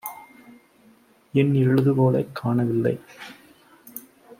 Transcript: என் எழுதுகோலைக் காணவில்லை.